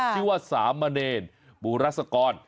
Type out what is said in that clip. ชื่อว่าสามเมนต์บุราษกร